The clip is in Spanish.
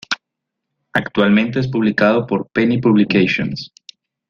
Actualmente es publicado por Penny Publications.